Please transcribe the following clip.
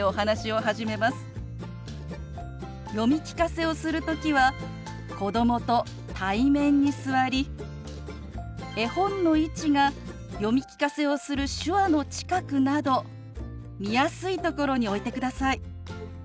読み聞かせをする時は子どもと対面に座り絵本の位置が読み聞かせをする手話の近くなど見やすいところに置いてください。